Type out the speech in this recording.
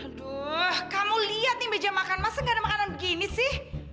aduh kamu lihat nih meja makan masa gak ada makanan begini sih